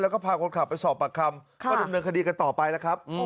แล้วก็พาคนขับไปสอบปากคำก็ดำเนินคดีกันต่อไปแล้วครับ